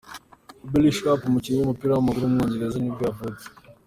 Billy Sharp, umukinnyi w’umupira w’amaguru w’umwongereza nibwo yavutse.